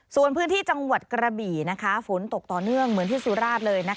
ส่วนพื้นที่จังหวัดกระบี่ฝนตกต่อเนื่องเหมือนที่สุราชเลย